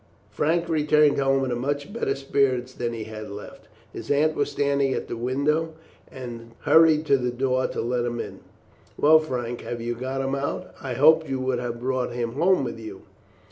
Frank returned home in much better spirits than he had left. His aunt was standing at the window, and hurried to the door to let him in. "Well, Frank, have you got him out? I hoped you would have brought him home with you."